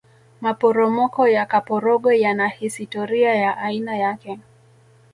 maporomoko ya kaporogwe yana hisitoria ya aina yake